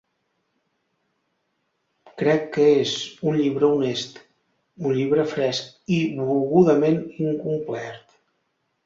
Crec que és un llibre honest, un llibre fresc i volgudament incomplert.